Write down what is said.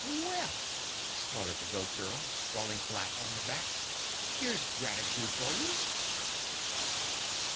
"Well," sputtered the Goat Girl, sprawling flat on her back, "here's gratitude for you!"